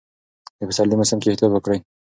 د پسرلي موسم کې احتیاط وکړئ.